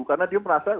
karena dia merasa